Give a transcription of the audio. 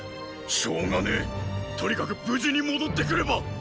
しょうがねェとにかく無事に戻ってくれば！